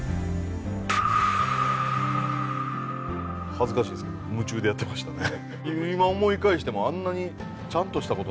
恥ずかしいんですけど夢中でやってましたね。